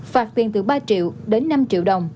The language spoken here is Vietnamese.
phạt tiền từ ba triệu đến năm triệu đồng